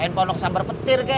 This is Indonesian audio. handphone lo kesambar petir kek